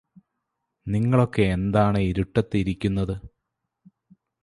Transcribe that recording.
നിങ്ങളൊക്കെയെന്താണ് ഇരുട്ടത്ത് ഇരിക്കുന്നത്